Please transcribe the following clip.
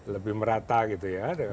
lebih merata gitu ya